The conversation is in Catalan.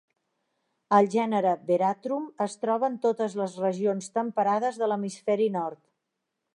El gènere "Veratrum" es troba en totes les regions temperades de l'hemisferi nord.